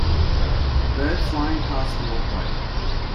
A bird flying pass the walkway.